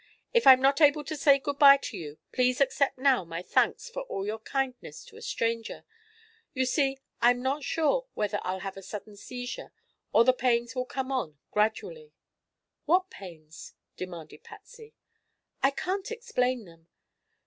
If I'm not able to say good bye to you, please accept now my thanks for all your kindness to a stranger. You see, I'm not sure whether I'll have a sudden seizure or the pains will come on gradually." "What pains?" demanded Patsy. "I can't explain them.